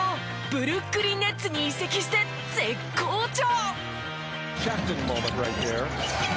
ブルックリン・ネッツに移籍して絶好調！